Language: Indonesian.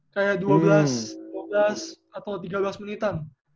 kayak dua belas atau tiga belas menitan